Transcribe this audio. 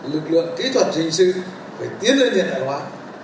lực lượng kỹ thuật hình sự phải tiến lên hiện đại hóa